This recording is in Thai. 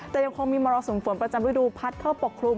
แต่ยังคงมีมรสุมฝนประจำฤดูพัดเข้าปกคลุม